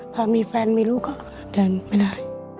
พอมีแฟนมีลูกก็เดินไม่ได้